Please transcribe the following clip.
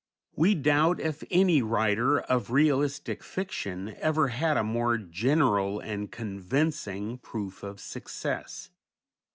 We doubt if any writer of realistic fiction ever had a more general and convincing proof of success.